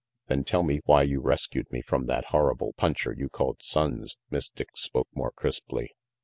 "Then tell me why you rescued me from that horrible puncher you called Sonnes," Miss Dick spoke more crisply.